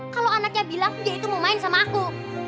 kalau anaknya bilang dia itu mau main sama aku